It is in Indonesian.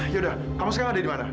yaudah kamu sekarang ada dimana